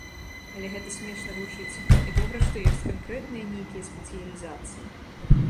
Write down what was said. Але гэта смешна гучыць, і добра, што ёсць канкрэтныя нейкія спецыялізацыі.